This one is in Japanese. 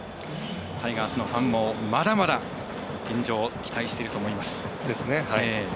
タイガースのファンもまだまだ、現状期待していると思います。